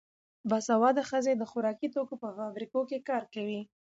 باسواده ښځې د خوراکي توکو په فابریکو کې کار کوي.